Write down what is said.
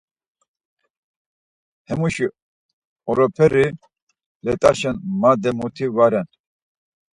Hemuşi oroperi let̆aşen made muti va ren.